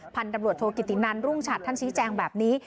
พันธุ์ตำรวจโทกิตินันรุ่งฉัดท่านชี้แจงแบบนี้